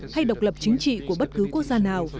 hay độc lập chính trị của bất cứ quốc gia nào